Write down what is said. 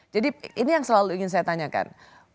jadi ini yang selalu ingin saya tanyakan